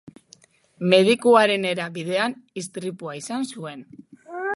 Medikuarenera bidean istripua izan zuen.